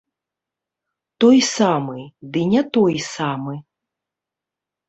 Той самы, ды не той самы!